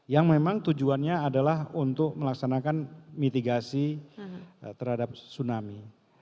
yang memang tujuannya adalah untuk melaksanakan mitigasi terhadap tsunami